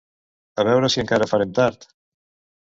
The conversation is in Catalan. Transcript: A veure si encara farem tard!